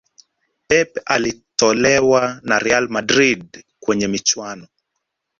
Pep alitolewa na Real Madrid kwenye michuano